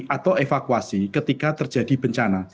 atau evakuasi ketika terjadi bencana